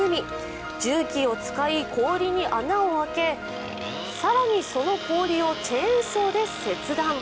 重機を使い氷に穴を開け、更にその氷をチェーンソーで切断。